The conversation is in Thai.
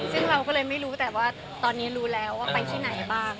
ซึ่งเราก็เลยไม่รู้แต่ว่าตอนนี้รู้แล้วว่าไปที่ไหนบ้าง